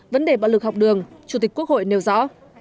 vấn đề bạo lực học đường chủ tịch quốc hội nêu rõ